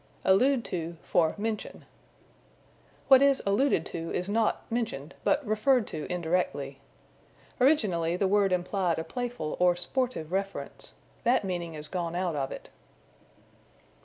Allude to for Mention. What is alluded to is not mentioned, but referred to indirectly. Originally, the word implied a playful, or sportive, reference. That meaning is gone out of it.